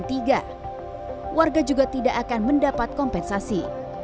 kami juga akan menguasai perusahaan yang diperlukan untuk mendapatkan kompensasi